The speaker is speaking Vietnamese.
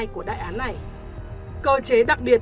của đại án này cơ chế đặc biệt